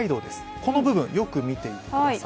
この部分、よく見ていてください。